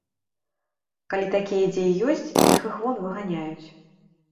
Калі такія дзе і ёсць, дык іх вон выганяюць.